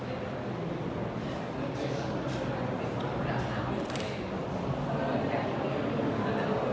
สวัสดีครับสวัสดีครับ